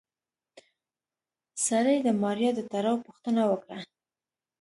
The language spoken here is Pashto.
سړي د ماريا د تړاو پوښتنه وکړه.